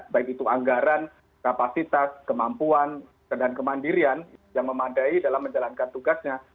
baik itu anggaran kapasitas kemampuan dan kemandirian yang memadai dalam menjalankan tugasnya